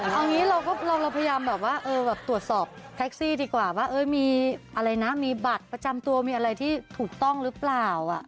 เอางี้เราพยายามแบบว่าตรวจสอบแท็กซี่ดีกว่าว่ามีอะไรนะมีบัตรประจำตัวมีอะไรที่ถูกต้องหรือเปล่า